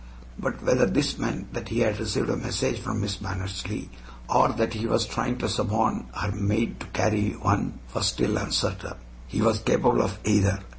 But whether this meant that he had received a message from Miss Mannersley, or that he was trying to suborn her maid to carry one, was still uncertain. He was capable of either.